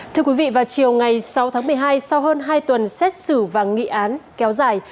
thưa quý vị vào chiều ngày sáu tháng một mươi hai sau hơn hai tuần xét xử và nghị án kéo dài